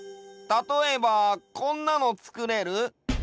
たとえばこんなのつくれる？